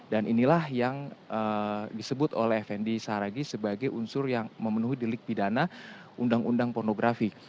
dan inilah yang disebut oleh effendi saragih sebagai unsur yang memenuhi delik pidana undang undang pornografi